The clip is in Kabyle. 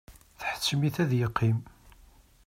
Tḥettem-it ad yeqqim.